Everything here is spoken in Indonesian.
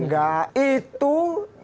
enggak itu jelas gitu ya